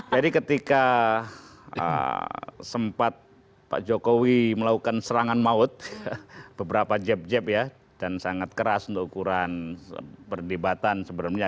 jadi ketika sempat pak jokowi melakukan serangan maut beberapa jeb jeb ya dan sangat keras untuk ukuran perdebatan sebenarnya